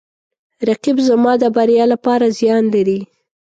رقیب زما د بریا لپاره زیان لري